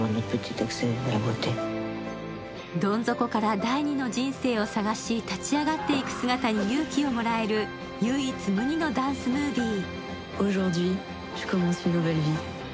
どん底から、第二の人生を探し立ち上がっていく姿に勇気をもらえる唯一無二のダンスムービー。